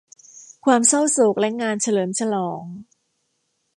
ความเศร้าโศกและงานเฉลิมฉลอง